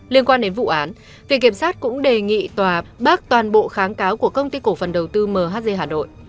liên quan đến vụ án viện kiểm sát cũng đề nghị tòa bác toàn bộ kháng cáo của công ty cổ phần đầu tư mhg hà nội